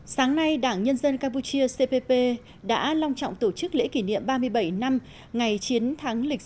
sáng nay đảng nhân dân campuchia cpp đã long trọng tổ chức lễ kỷ niệm ba mươi bảy năm ngày chiến thắng lịch